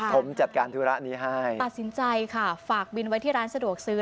ปรับสินใจฝากบินไว้ที่ร้านสะดวกซื้อ